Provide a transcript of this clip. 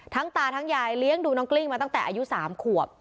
ตาทั้งยายเลี้ยงดูน้องกลิ้งมาตั้งแต่อายุ๓ขวบ